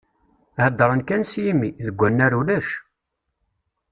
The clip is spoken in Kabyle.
Heddren kan s yimi, deg unnar ulac!